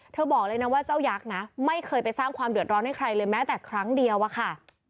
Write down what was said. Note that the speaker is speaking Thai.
บอกเลยนะว่าเจ้ายักษ์นะไม่เคยไปสร้างความเดือดร้อนให้ใครเลยแม้แต่ครั้งเดียวอะค่ะ